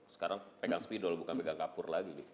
sekarang pegang spidol bukan pegang kapur lagi